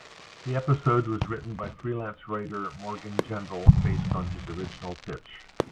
The episode was written by freelance writer Morgan Gendel based on his original pitch.